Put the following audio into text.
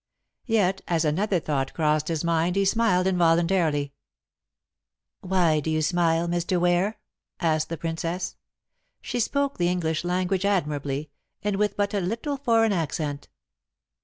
Yet, as another thought crossed his mind, he smiled involuntarily. "Why do you smile, Mr. Ware?" asked the Princess. She spoke the English language admirably, and with but a little foreign accent.